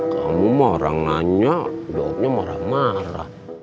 kamu marah nanya jawabnya marah marah